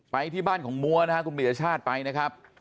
ไปที่บ้านของมัวนะครับคุณปียชาติไปนะครับ